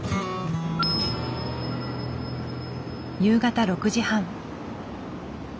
夕方６時半。